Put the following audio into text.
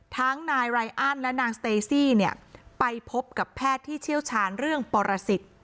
ทั้งนายและนางเนี่ยไปพบกับแพทย์ที่เชี่ยวชาญเรื่องปรสิต